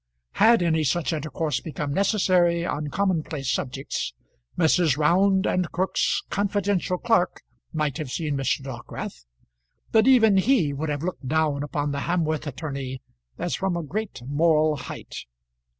Had any such intercourse become necessary on commonplace subjects Messrs. Round and Crook's confidential clerk might have seen Mr. Dockwrath, but even he would have looked down upon the Hamworth attorney as from a great moral height.